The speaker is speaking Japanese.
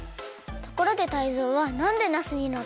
ところでタイゾウはなんでナスになったの？